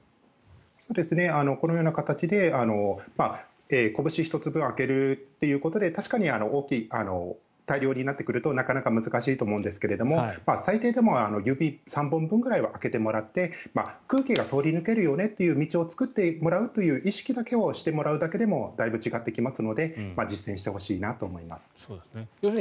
このような形でこぶし１つ分空けるということで確かに大量になってくるとなかなか難しいと思うんですが最低でも指３本分ぐらいは空けてもらって空気が通り抜ける道を作ってもらうという意識だけをしてもらうだけでもだいぶ違ってきますので実践してほしいなと思います。